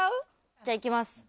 じゃあいきます。